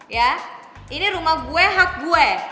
ya ini rumah gue hak gue